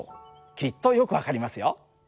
きっとよく分かりますよ。